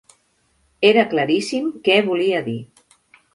Era claríssim què volia dir.